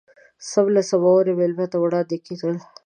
سم له سمونې مېلمه ته وړاندې کېدل.